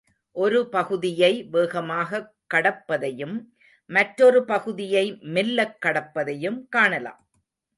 ஒரு பகுதியை வேகமாகக் கடப்பதையும் மற்றொரு பகுதியை மெல்லக் கடப்பதையும் காணலாம்.